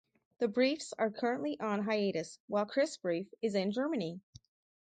The Briefs are currently on hiatus while Chris Brief is in Germany.